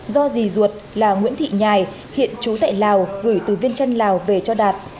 do dì ruột là nguyễn thị nhài hiện trú tại lào gửi từ viên chăn lào về cho đạt